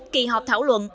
kỳ họp thảo luận